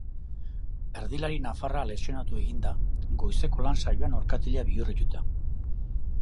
Erdilari nafarra lesionatu egin da goizeko lan saioan orkatila bihurrituta.